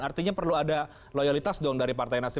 artinya perlu ada loyalitas dong dari partai nasdem